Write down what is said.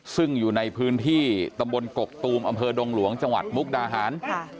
ซึ่งอยู่ในพื้นที่ตำบลกกตูมอำเภอดงหลวงจังหวัดมุกดาหาร